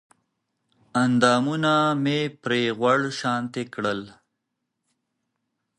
اندامونه مې پرې غوړ شانتې کړل